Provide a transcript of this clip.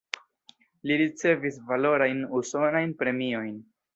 Li ricevis valorajn usonajn premiojn.